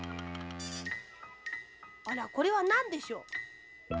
あらこれはなんでしょう？